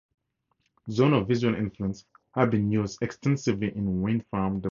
Zones of visual influence have been used extensively in wind farm development.